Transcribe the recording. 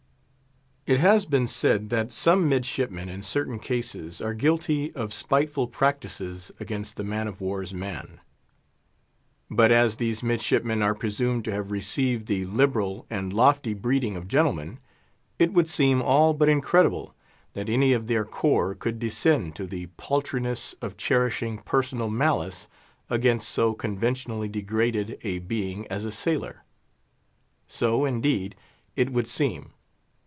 It has been said that some midshipmen, in certain cases, are guilty of spiteful practices against the man of war's man. But as these midshipmen are presumed to have received the liberal and lofty breeding of gentlemen, it would seem all but incredible that any of their corps could descend to the paltriness of cherishing personal malice against so conventionally degraded a being as a sailor. So, indeed, it would seem.